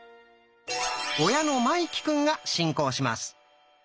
親の茉生くんが進行します。